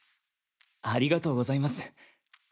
ありがとうございます。